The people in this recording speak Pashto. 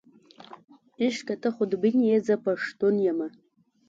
عشقه ته خودبین یې، زه پښتون یمه.